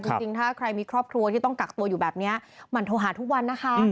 จริงถ้าใครมีครอบครัวที่ต้องกักตัวอยู่แบบนี้มันโทรหาทุกวันนะคะ